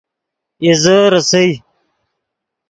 اِیزے ریسئے